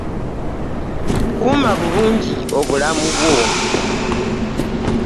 Kuuma bulungi obulamu bwo.